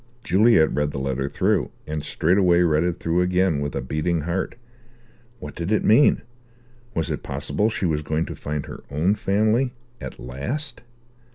Juliet read the letter through, and straightway read it through again, with a beating heart. What did it mean? Was it possible she was going to find her own family at last?